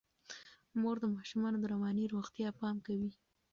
مور د ماشومانو د رواني روغتیا پام کوي.